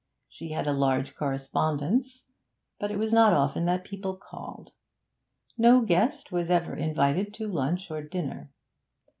She had a large correspondence; but it was not often that people called. No guest was ever invited to lunch or dinner.